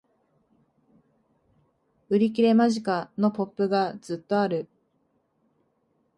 売り切れ間近！のポップがずっとある